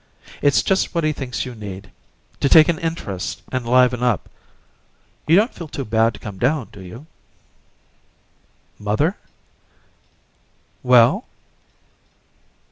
It's just what he thinks you need to take an interest and liven up. You don't feel too bad to come down, do you?" "Mother?" "Well?"